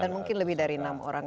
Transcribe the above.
dan mungkin lebih dari enam orang